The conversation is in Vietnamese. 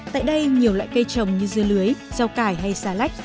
tại đây nhiều loại cây trồng như dưa lưới rau cải hay xà lách